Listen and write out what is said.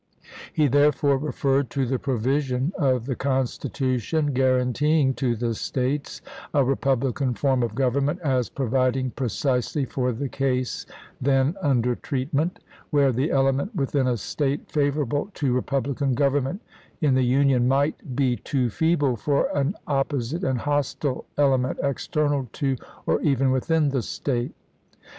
He therefore referred to the provision of the Constitution guaranteeing to the States a republican form of government as providing pre cisely for the case then under treatment ; where the element within a State favorable to republican government in the Union might " be too feeble for an opposite and hostile element external to or even within the State."